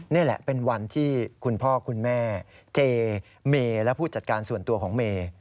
นี่แหละเป็นวันที่คุณพ่อคุณแม่เจเมย์และผู้จัดการส่วนตัวของเมย์